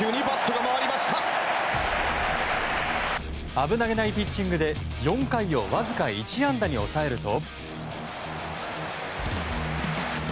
危なげないピッチングで４回をわずか１安打に抑えると。